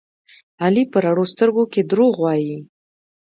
علي په رڼو سترګو کې دروغ وایي.